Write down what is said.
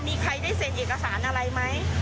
มีใครได้เซ็นเอกสารอะไรไหม